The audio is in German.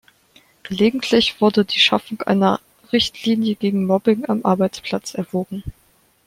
Gelegentlich wurde die Schaffung einer Richtlinie gegen Mobbing am Arbeitsplatz erwogen.